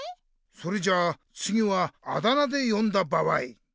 それじゃあつぎはあだ名でよんだ場合。